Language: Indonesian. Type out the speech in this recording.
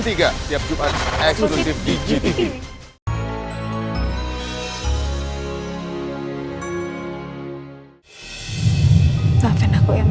tiap jumat eksklusif di gtv